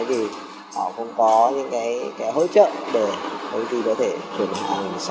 thì họ không có những hỗ trợ để đôi khi có thể chuyển hàng sang những kia